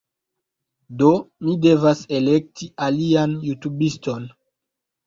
Do, mi devas elekti alian jutubiston